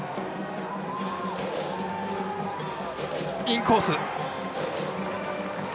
インコース。